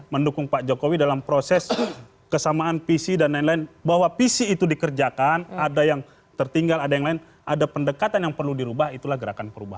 mendukung pak jokowi dalam proses kesamaan visi dan lain lain bahwa visi itu dikerjakan ada yang tertinggal ada yang lain ada pendekatan yang perlu dirubah itulah gerakan perubahan